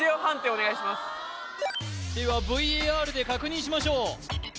お願いしますではＶＡＲで確認しましょう